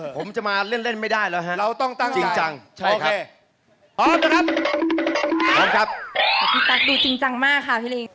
ผมจะมายื่นเล่นไม่ได้เลยฮะจริงจังช่ายครับพี่ตั๊กดูจริงจังมากค่ะพี่ลิง